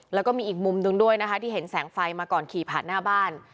แล้วก็มีอีกมุมหนึ่งด้วยนะคะที่เห็นแสงไฟมาก่อนขี่ผ่านหน้าบ้าน